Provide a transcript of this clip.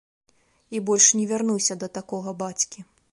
І больш не вярнуся да такога бацькі.